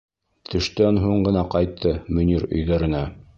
Төштән һуң ғына ҡайтты Мөнир өйҙәренә.